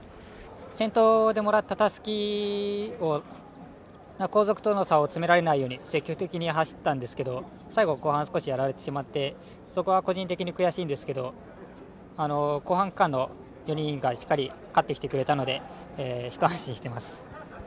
先頭でもらったたすきを、後続との差を詰められないように積極的に走ったんですけど、後半は少しやられてしまって、そこは個人的に悔しいんですけど後半区間の４人がしっかり勝ってきてくれたので、ひと安心しています。